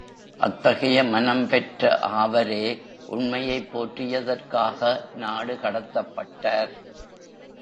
அத்தகைய மனம் பெற்ற ஆவரே உண்மையைப் போற்றியதற்காக நாடு கடத்தப்பட்டார்!